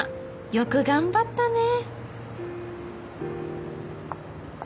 よく頑張ったね」。